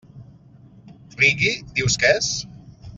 Reggae, dius que és?